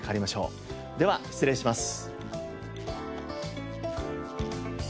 では失礼します。